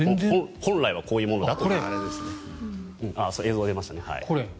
本来はこういうものだと。